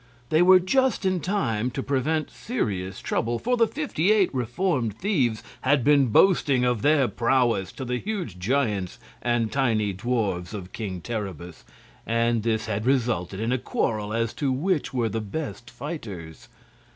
They were just in time to prevent serious trouble, for the fifty eight reformed thieves had been boasting of their prowess to the huge giants and tiny dwarfs of King Terribus, and this had resulted in a quarrel as to which were the best fighters.